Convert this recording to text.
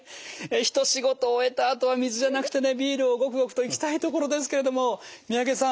一仕事終えたあとは水じゃなくてねビールをゴクゴクといきたいところですけれども三宅さん